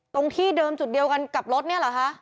ตรงที่เดิมจุดเดียวกันกับรถเนี่ยเหรอคะ